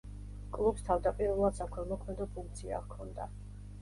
კლუბს თავდაპირველად საქველმოქმედო ფუნქცია ჰქონდა.